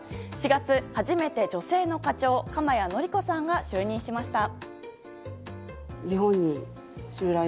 ４月、初めて女性の課長鎌谷紀子さんが就任しました。